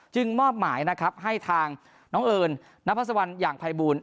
ซึ่งมอบหมายนะครับให้ทางน้องเอิญน้ำพระสวรรค์อย่างภัยบูรณ์